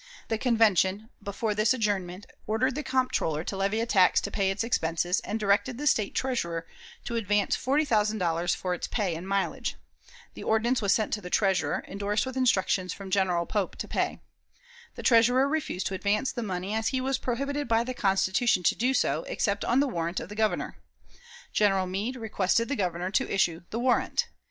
The Convention, before this adjournment, ordered the Comptroller to levy a tax to pay its expenses, and directed the State Treasurer to advance forty thousand dollars for its pay and mileage. The ordinance was sent to the Treasurer, endorsed with instructions from General Pope to pay. The Treasurer refused to advance the money, as he was prohibited by the Constitution to do so, except on the warrant of the Governor. General Meade requested the Governor to issue the warrant.